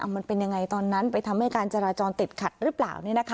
มันเป็นยังไงตอนนั้นไปทำให้การจราจรติดขัดหรือเปล่า